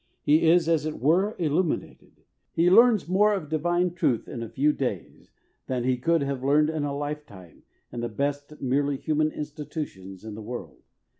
He is, as it were, illuminated. He learns more of divine truth in a few days, than he could have learned in a life time in the best merely human institutions in the world.